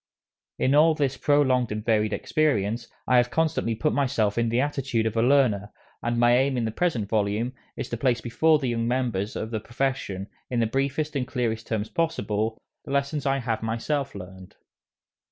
In all this prolonged and varied experience, I have constantly put myself in the attitude of a learner, and my aim in the present volume is to place before the younger members of the profession, in the briefest and clearest terms possible, the lessons I have myself learned.